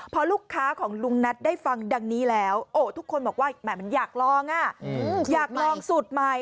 พอลูกค้าของลุงนัทได้ฟังดังนี้แล้วทุกคนบอกว่าอยากลองสูตรใหม่